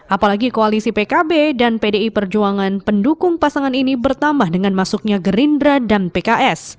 apalagi koalisi pkb dan pdi perjuangan pendukung pasangan ini bertambah dengan masuknya gerindra dan pks